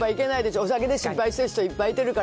お酒で失敗してる人いっぱいいてるから。